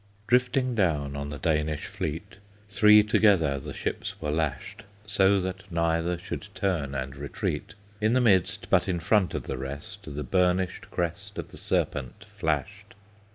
Drifting down on the Danish fleet Three together the ships were lashed, So that neither should turn and retreat; In the midst, but in front of the rest The burnished crest Of the Serpent flashed.